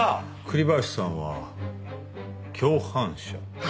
栗林さんは共犯者？